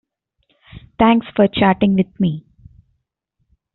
Thanks for chatting with me.